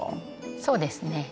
そうですね。